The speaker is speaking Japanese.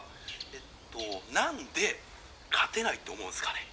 えっと何で勝てないと思うんすかね？